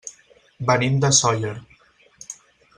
Venim de Sóller.